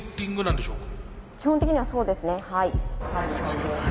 基本的にはそうですねはい。